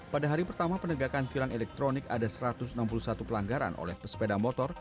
pada hari pertama penegakan tilang elektronik ada satu ratus enam puluh satu pelanggaran oleh pesepeda motor